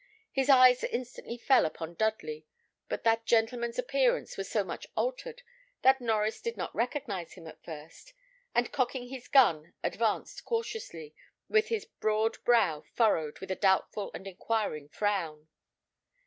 His eyes instantly fell upon Dudley, but that gentleman's appearance was so much altered that Norries did not recognise him at first, and cocking his gun, advanced cautiously, with his broad brow furrowed with a doubtful and inquiring frown.